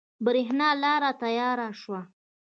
برېښنا لاړه تیاره شوه